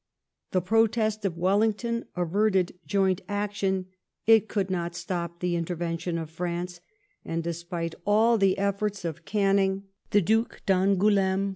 The> protest of Wellington averted joint action ; it could not stop the intervention of France, and, despite all the efforts of Canning, the ^Stapleton, Canning and his Times, p.